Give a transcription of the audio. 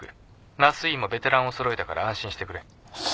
麻酔医もベテランをそろえたから安心してくれ。